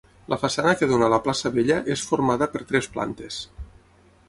La façana que dóna a la Plaça Vella, és formada per tres plantes.